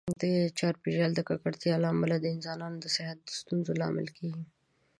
د چاپیریال د ککړتیا له امله د انسانانو د صحت د ستونزو لامل کېږي.